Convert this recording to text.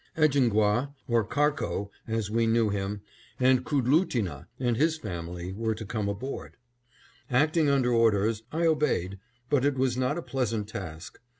Egingwah, or Karko as we knew him, and Koodlootinah and his family were to come aboard. Acting under orders, I obeyed, but it was not a pleasant task.